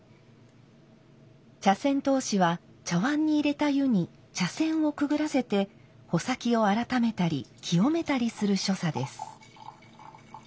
茶筅通しは茶碗に入れた湯に茶筅をくぐらせて穂先をあらためたり清めたりする所作です。